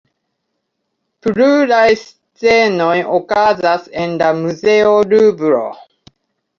Pluraj scenoj okazas en la muzeo Luvro.